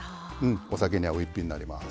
お酒に合う一品になります。